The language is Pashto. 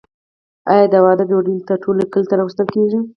آیا د واده ډوډۍ ته ټول کلی نه راغوښتل کیږي؟